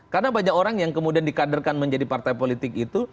karena banyak orang yang kemudian dikaderkan menjadi partai politik baru ini